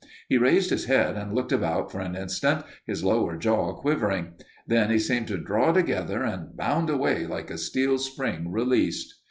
He raised his head and looked about for an instant, his lower jaw quivering. Then he seemed to draw together and bound away like a steel spring released.